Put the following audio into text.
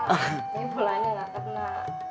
ini bolanya gak kena